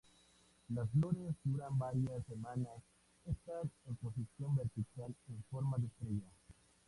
Las flores duran varias semanas, están en posición vertical y en forma de estrella.